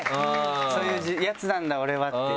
「そういうやつなんだ俺は」っていう。